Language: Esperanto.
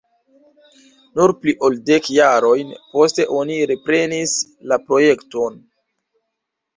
Nur pli ol dek jarojn poste oni reprenis la projekton.